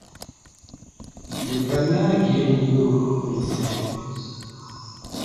Yè ba naagiren yorubu kùn sɛ̃.